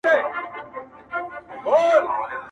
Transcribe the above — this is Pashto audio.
زما څخه مه غواړه غزل د پسرلي د نسیم٫